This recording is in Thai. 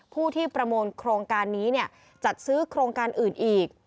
ผู้ที่ประมูลโครงการนี้จัดซื้อโครงการอื่นอีก